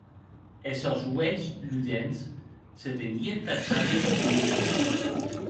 Es sòns uelhs ludents se tenguien tachadi en un punt.